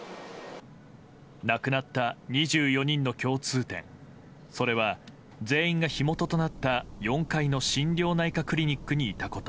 亡くなった２４人の共通点それは全員が火元となった４階の心療内科クリニックにいたこと。